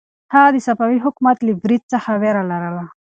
هغه د صفوي حکومت له برید څخه وېره لرله.